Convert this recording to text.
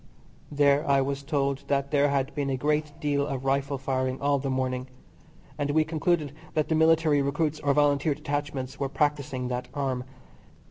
There I was told that there had been a great deal of rifle firing all the morning, and we concluded that the Military recruits or Volunteer detachments were practising that arm.